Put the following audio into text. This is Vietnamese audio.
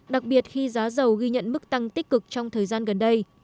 đặc biệt khi giá dầu ghi nhận mức tăng tích cực trong thời gian gần đây